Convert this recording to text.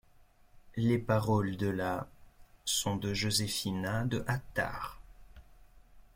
Les paroles de la sont de Josefina de Attard.